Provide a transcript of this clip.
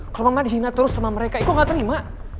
kalau mama dihina terus sama mereka itu gak terima